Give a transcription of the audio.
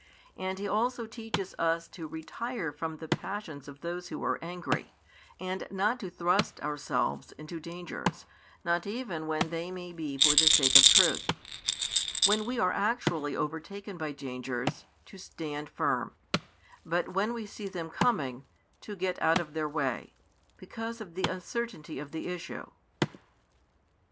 And He also teaches us to retire from the passions of those who are angry, and not to thrust ourselves into dangers, not even when they may be for the sake of truth: when we are actually overtaken by dangers, to stand firm; but when we see them coming, to get out of their way; because of the uncertainty of the issue.